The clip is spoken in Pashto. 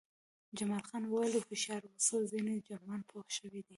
جمال خان وویل چې هوښیار اوسه ځینې جرمنان پوه شوي دي